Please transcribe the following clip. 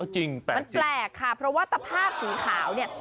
จริงแปลกมันแปลกค่ะเพราะว่าตะภาพสีขาวเนี่ย